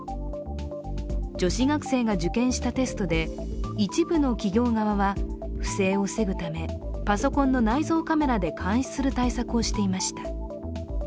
女子学生が受検したテストで一部の企業側は、不正を防ぐためパソコンの内蔵カメラで監視する対策をしていました。